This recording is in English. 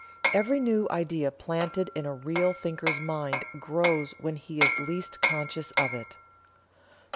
Every new idea planted in a real thinker's mind grows when he is least conscious of it."